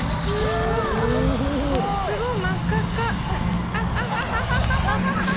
すごい、真っ赤っか。